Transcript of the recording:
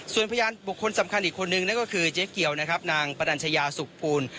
ส่วนพยานบุคคลสำคัญอีกคนนึงนั่นก็คือเจ๊เกียวนะครับนางปรัญชยาสุขภูล